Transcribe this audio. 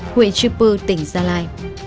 huyện chiêu pư tỉnh gia lai